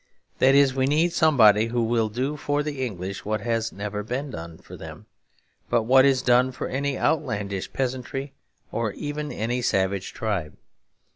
That is, we need somebody who will do for the English what has never been done for them, but what is done for any outlandish peasantry or even any savage tribe.